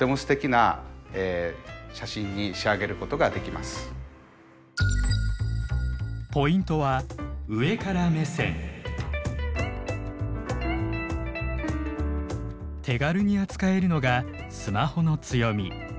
今回はこのポイントは手軽に扱えるのがスマホの強み。